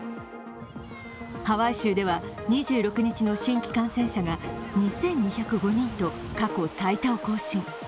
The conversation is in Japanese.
ハワイ州では２６日の新規感染者が２２０５人と過去最多を更新。